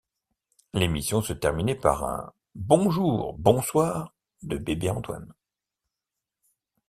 L'émission se terminait par un bonjour bonsoir de Bébé Antoine.